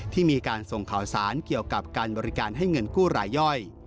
ที่มีการส่งข่าวสารเกี่ยวกับการบริการให้เงินกู้รายย่อย